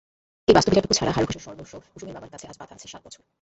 এই বাস্তুভিটাটুকু ছাড়া হারু ঘোষের সর্বস্ব কুসুমের বাবার কাছে আজ বাধা আছে সাত বছর।